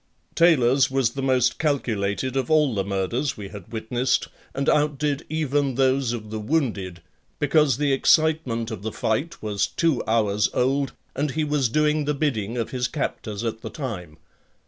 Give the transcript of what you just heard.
Taylor's was the most calculated of all the murders we had witnessed and outdid even those of the wounded because the excitement of the fight was two hours old and he was doing the bidding of his captors at the time.